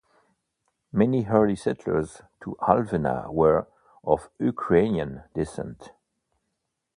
Many early settlers to Alvena were of Ukrainian descent.